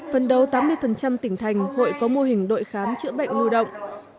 phân đấu tám mươi tỉnh thành hội có mô hình đội khám chữa bệnh lưu động